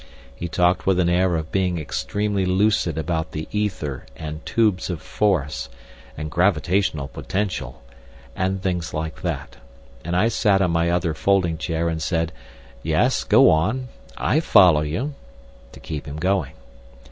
He talked with an air of being extremely lucid about the "ether" and "tubes of force," and "gravitational potential," and things like that, and I sat in my other folding chair and said, "Yes," "Go on," "I follow you," to keep him going.